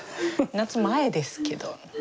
夏前ですけど。